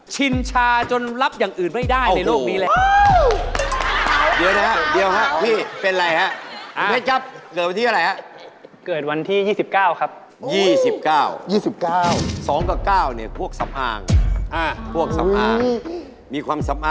ชินชาจนรับอย่างอื่นไม่ได้ในโลกนี้เลย